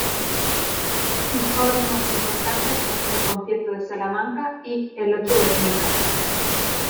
Sus obras más importantes son "El concierto de Salamanca" y "El otro Guernica".